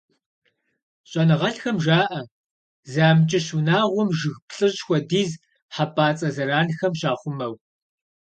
ЩӀэныгъэлӀхэм жаӀэ, зы амкӀыщ унагъуэм жыг плӏыщӏ хуэдиз хьэпӀацӀэ зэранхэм щахъумэу.